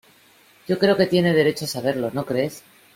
yo creo que tiene derecho a saberlo. ¿ no crees?